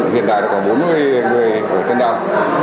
hiện tại có bốn mươi người ở trên đoàn